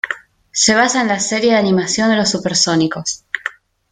Se basa en la serie de animación de Los Supersónicos.